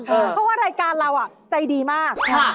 เพราะว่ารายการเราใจดีมาก